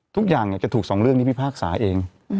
ทุกอย่างเนี่ยจะถูกส่องเรื่องที่พี่ภาคศาสตร์เอง